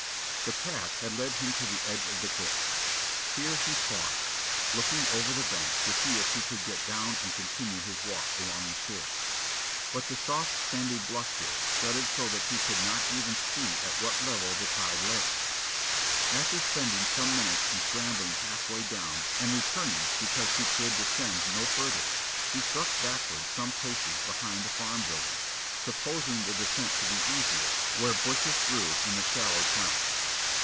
The path had led him to the edge of the cliff. Here he paused, looking over the bank to see if he could get down and continue his walk along the shore, but the soft sandy bluff here jutted so that he could not even see at what level the tide lay. After spending some minutes in scrambling half way down and returning because he could descend no further, he struck backwards some paces behind the farm buildings, supposing the descent to be easier where bushes grew in the shallow chine.